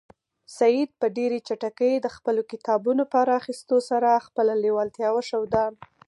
سعید په ډېرې چټکۍ د خپلو کتابونو په راخیستلو سره خپله لېوالتیا وښوده.